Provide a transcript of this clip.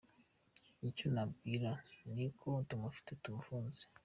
Icyo nababwira ni uko tumufite tumufunze.”